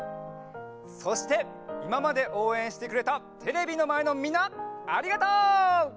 そしていままでおうえんしてくれたテレビのまえのみんなありがとう！